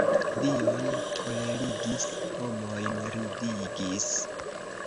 Dion kolerigis, homojn ridigis.